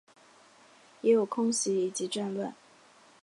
也有空袭以及战乱